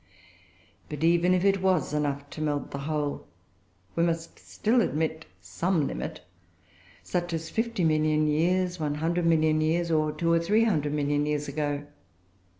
But even if it was enough to melt the whole, we must still admit some limit, such as fifty million years, one hundred million years, or two or three hundred million years ago.